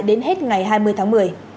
đến hết ngày hai mươi tháng một mươi